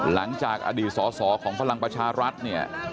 หลังจากอดีตสอสอของพลังประชารัฐเนี่ย